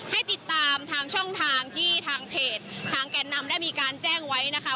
ให้ติดตามทางช่องทางที่ทางเพจทางแก่นนำได้มีการแจ้งไว้นะคะ